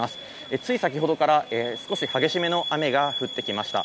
つい先ほどから、少し激しめの雨が降ってきました。